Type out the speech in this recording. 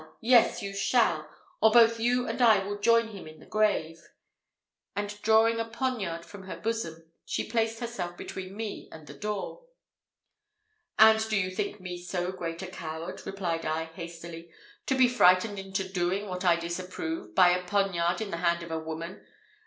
Yes, you shall! or both you and I will join him in the grave!" and, drawing a poniard from her bosom, she placed herself between me and the door. "And do you think me so great a coward," replied I, hastily, "to be frightened into doing what I disapprove, by a poniard in the hand of a woman?